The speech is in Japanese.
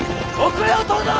後れを取るな！